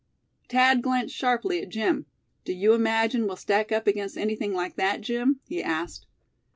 Thad glanced sharply at Jim. "Do you imagine we'll stack up against anything like that, Jim?" he asked.